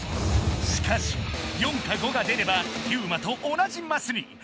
しかし４か５が出ればユウマと同じマスに。